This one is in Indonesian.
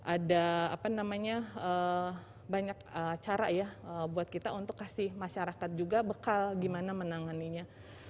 ada apa namanya banyak cara ya buat kita untuk kasih masyarakat juga bekal gimana menanganinya